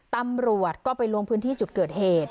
ตำรวจก็ไปลงพื้นที่จุดเกิดเหตุ